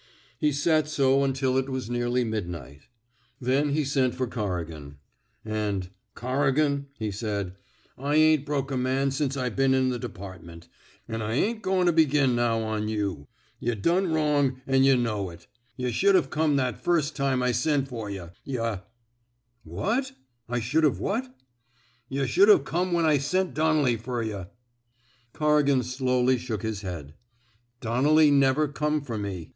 He sat so until it was neariy midnight. Then he sent for Corrigan; and Corri gan,'* he said, *' I ain't broke a man since I been in the department, an' I ain't goin' to begin now on you. Yuh done wrong, an' yuh know it. Yuh should 've come that first time Isentferyuh. Yuh —"'' What? I shud 've what? "*' Yuh should 've come when I sent Don nelly fer yuh." Corrigan slowly shook his head. Don nelly never come fer me.